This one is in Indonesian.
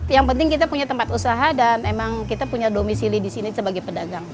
yang penting kita punya tempat usaha dan emang kita punya domisili di sini sebagai pedagang